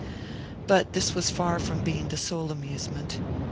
But this was far from being the sole amusement.